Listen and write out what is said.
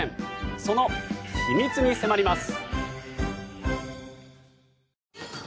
その秘密に迫ります。